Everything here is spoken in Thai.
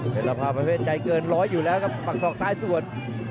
เป็นภาพประเภทใจเกินร้อยอยู่แล้วครับปักศอกซ้ายสวน